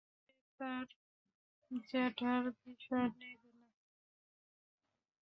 সে তার জ্যাঠার বিষয় নেবে না!